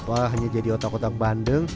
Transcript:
wah hanya jadi otak otak bandeng